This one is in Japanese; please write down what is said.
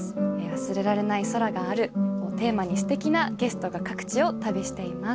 忘れられない空があるをテーマに、すてきなゲストが各地を旅しています。